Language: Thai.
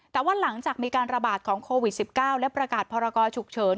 แต่ว่าหลังจากมีการระบาดของโควิด๑๙และประกาศพรกรฉุกเฉิน